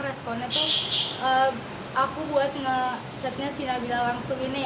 responnya tuh aku buat nge chatnya si nabila langsung ini